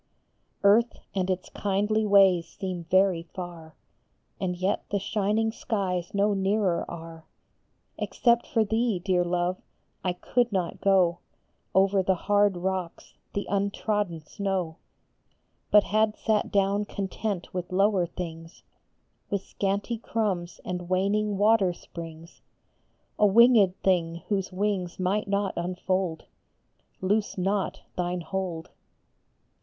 Earth and its kindly ways seem very far, And yet the shining skies no nearer are ; Except for thee, dear Love, I could not go Over the hard rocks, the untrodden snow, 124 THREE PICTURES. But had sat down content with lower things, With scanty crumbs and waning water springs, A winged thing whose wings might not unfold : Loose not thine hold